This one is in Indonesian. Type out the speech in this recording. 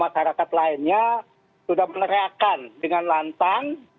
masyarakat lainnya sudah meneriakan dengan lantang